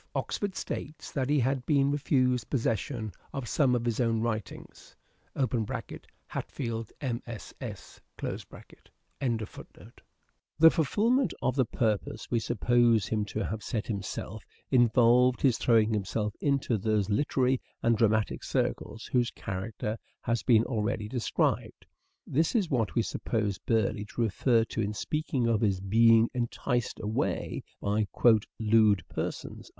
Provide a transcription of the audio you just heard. Oxford states that he had been refused possession of some of his own writings. (Hat. M.S.S.) EARLY MANHOOD OF EDWARD DE VERE 287 The fulfilment of the purpose we suppose him to Burieigh's have set himself, involved his throwing himself into 3 ( those literary and dramatic circles whose character has been already described. This is what we suppose Burleigh to refer to in speaking of his being enticed away by " lewd persons."